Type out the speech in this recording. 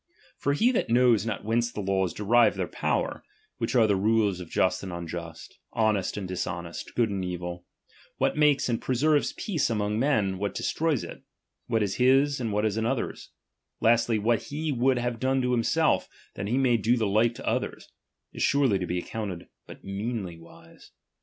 For he tha.'*^ ^1 knows not whence the laws derive their powers ^H which are the rules of just and luijvM, honest ancf' ^H dishonest, good and evil ; what makes and pre^^ ^H serves peace among men, what destroys it ; what^ ^H is his, and what another's ; lastly, what he wowl^ ' ^H have done to himself, that he may do the like to^ ^H others : is surely to be accounted but meanly wise.